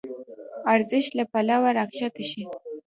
ارزش له پلوه راکښته شي.